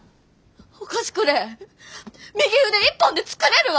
お菓子くれえ右腕一本で作れるわ！